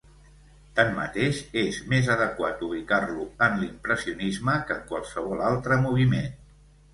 Tanmateix, és més adequat ubicar-lo en l'impressionisme que en qualsevol altre moviment.